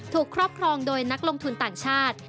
ครอบครองโดยนักลงทุนต่างชาติ